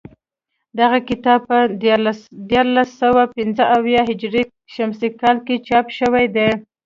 دغه کتاب په دیارلس سوه پنځه اویا هجري شمسي کال کې چاپ شوی دی